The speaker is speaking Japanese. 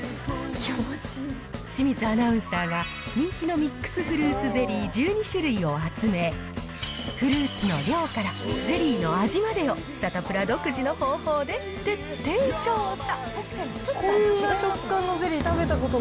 清水アナウンサーが人気のミックスフルーツゼリー１２種類を集め、フルーツの量から、ゼリーの味までをサタプラ独自の方法で徹底調査。